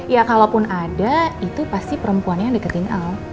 ya kalaupun ada itu pasti perempuan yang deketin out